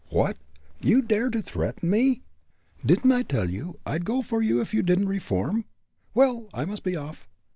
"What! you dare to threaten me?" "Didn't I tell you I'd go for you if you didn't reform? Well, I must be off.